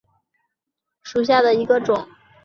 鞍叶藓为细鳞藓科鞍叶藓属下的一个种。